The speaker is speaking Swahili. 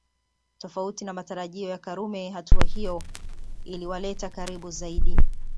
Tofauti na matarajio ya Karume hatua hiyo iliwaleta karibu zaidi